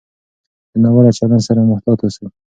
د ناوړه چلند سره محتاط اوسئ.